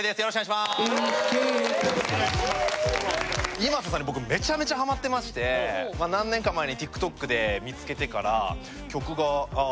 ｉｍａｓｅさんに僕めちゃめちゃハマってまして何年か前にＴｉｋＴｏｋで見つけてから曲があ